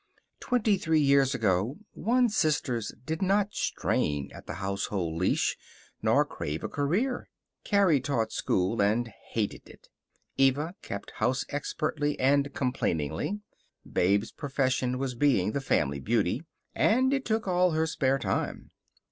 Twenty three years ago one's sisters did not strain at the household leash, nor crave a career. Carrie taught school, and hated it. Eva kept house expertly and complainingly. Babe's profession was being the family beauty, and it took all her spare time.